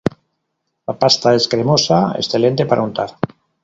La pasta es cremosa, excelente para untar.